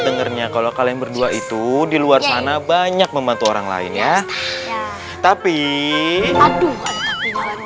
dengarnya kalau kalian berdua itu di luar sana banyak membantu orang lain ya tapi aduh